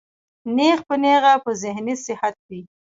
نېغ پۀ نېغه پۀ ذهني صحت وي